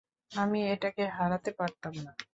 আমি এটাকে হারাতে পারতাম না।